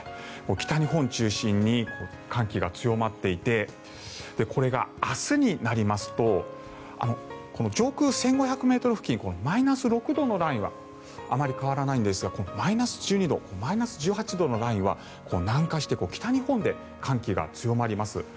北日本を中心に寒気が強まっていてこれが明日になりますと上空１５００ｍ付近マイナス６度のラインはあまり変わらないんですがマイナス１２度マイナス１８度のラインは南下して北日本で寒気が強まります。